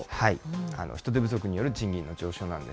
人手不足による賃金の上昇なんです。